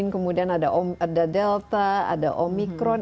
kemudian ada delta ada omikron